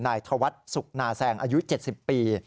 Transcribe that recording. นายธวรรษสุขนาแซงอายุ๗๐ปี